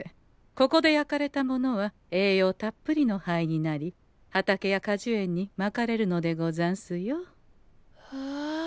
ここで焼かれたものは栄養たっぷりの灰になり畑や果樹園にまかれるのでござんすよ。へえ。